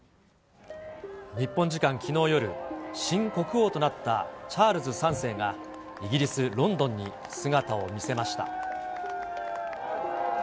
日本時間きのう夜、新国王となったチャールズ３世が、イギリス・ロンドンに姿を見せました。